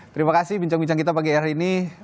terima kasih bincang bincang kita pagi hari ini